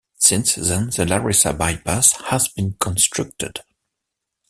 Since then, the Larissa bypass has been constructed.